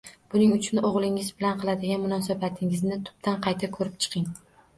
Buning uchun o‘g‘lingiz bilan qiladigan munosabatingizni tubdan qayta ko‘rib chiqing.